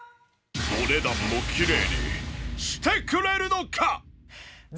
お値段もきれいにしてくれるのか？